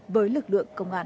với lực lượng công an